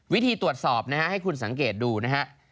วิธีตรวจสอบให้คุณสังเกตดูนะครับ